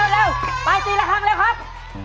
เร็วไป๔ละครั้งเร็วครับ